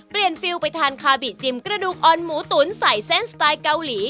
ฟิลไปทานคาบิจิมกระดูกอ่อนหมูตุ๋นใส่เส้นสไตล์เกาหลี